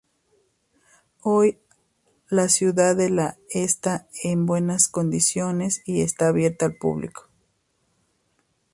Hoy, la ciudadela está en buenas condiciones y está abierta al público.